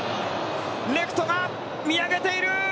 レフトが見上げている！